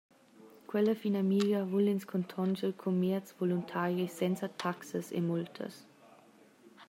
Quella finamira vul ins contonscher cun mieds voluntaris senza taxas e multas.